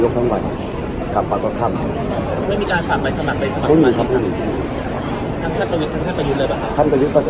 กิจออกมาอย่างงี้